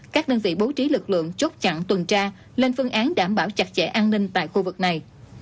các đơn vị bố trí lực lượng chốt chặn tuần tra lên phương án đảm bảo chặt chẽ an ninh tại khu vực này